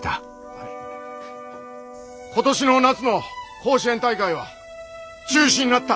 今年の夏の甲子園大会は中止になった。